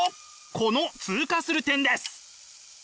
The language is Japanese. この通過する点です。